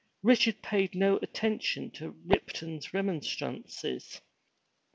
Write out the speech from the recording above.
Richard paid no attention to Ripton's remonstrances.